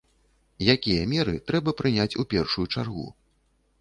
Якія меры трэба прыняць у першую чаргу?